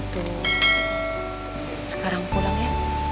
tuh sekarang pulang ya